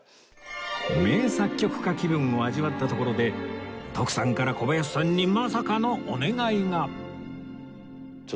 名作曲家気分を味わったところで徳さんから小林さんにまさかのお願いが